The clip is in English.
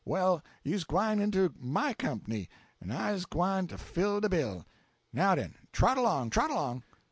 Well, you's gwyne into my comp'ny, en I's gwyne to fill de bill. Now, den, trot along, trot along!"